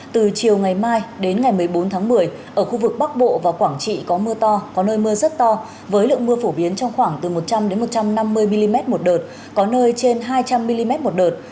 từ chiều ngày mai đến ngày một mươi bốn tháng một mươi ở khu vực bắc bộ và quảng trị có mưa to có nơi mưa rất to với lượng mưa phổ biến trong khoảng từ một trăm linh một trăm năm mươi mm một đợt có nơi trên hai trăm linh mm một đợt